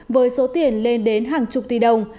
với số tiền lên đến hàng chục tỷ đồng